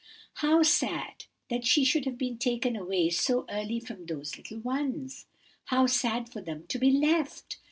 How sad that she should have been taken away so early from those little ones! How sad for them to be left!